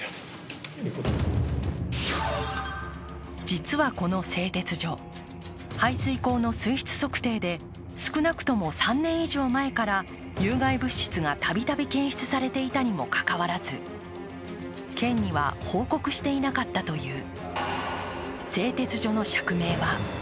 実はこの製鉄所、排水口の水質測定で少なくとも３年以上前から有害物質がたびたび検出されていたにもかかわらず、県には報告していなかったという。